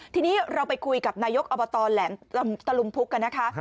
ทีนี้เราไปคุยกับนายกอบตแหลมตะลุมพุกกันนะคะ